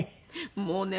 もうね